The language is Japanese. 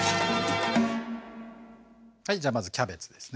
はいじゃあまずキャベツですね。